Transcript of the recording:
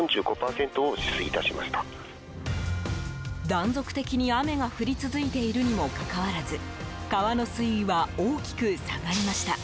断続的に雨が降り続いているにもかかわらず川の水位は大きく下がりました。